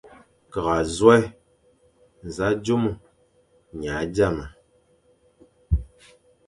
Ke azôe, nẑa zôme, nya zame,